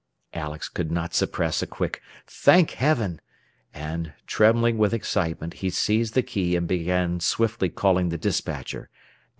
Alex could not suppress a quick "Thank Heaven!" and, trembling with excitement, he seized the key and began swiftly calling the despatcher.